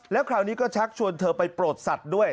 แล้วคราวนี้ก็ชักชวนเธอไปโปรดสัตว์ด้วย